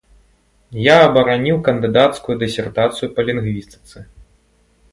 Я абараніў кандыдацкую дысертацыю па лінгвістыцы.